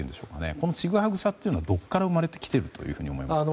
このちぐはぐさはどこから生まれてきていると思いますか？